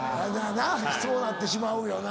なっそうなってしまうよな。